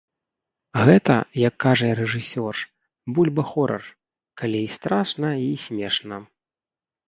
Гэта, як кажа рэжысёр, бульба-хорар, калі і страшна, і смешна.